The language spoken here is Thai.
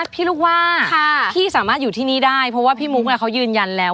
พี่ลูกว่าพี่สามารถอยู่ที่นี่ได้เพราะว่าพี่มุกเขายืนยันแล้ว